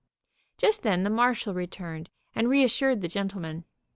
Just then the marshal re turned and reas sured the gentle men.